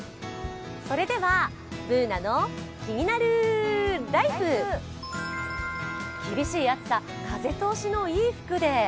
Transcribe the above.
それでは「ＢｏｏｎａのキニナルＬＩＦＥ」厳しい暑さ風通しの良い服で。